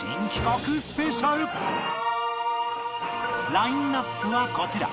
ラインアップがこちら